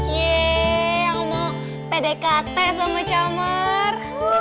yeay aku mau pdkt sama camer